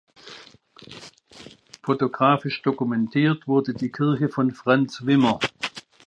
Fotografisch dokumentiert wurde die Kirche von Franz Wimmer.